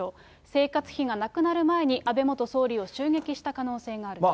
生活費がなくなる前に、安倍元総理を襲撃した可能性があると。